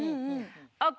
ＯＫ